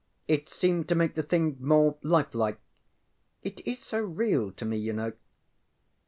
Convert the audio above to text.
It seemed to make the thing more lifelike. It is so real to me, yŌĆÖknow.